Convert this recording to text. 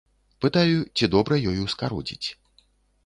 Пытаю, ці добра ёю скародзіць.